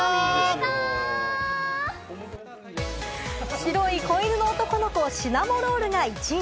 白いこいぬの男のコ、シナモロールが１位。